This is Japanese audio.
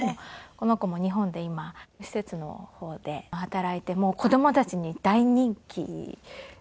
この子も日本で今施設の方で働いて子供たちに大人気だそうです。